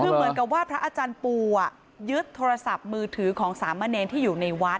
คือเหมือนกับว่าพระอาจารย์ปูยึดโทรศัพท์มือถือของสามเณรที่อยู่ในวัด